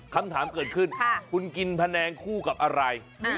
คำถามเกิดขึ้นคุณกินแผนงคู่กับอะไร